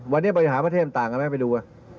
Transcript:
วันนี้บริหารประเทศต่างกันไหมไปดู